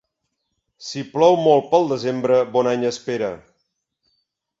Si plou molt pel desembre, bon any espera.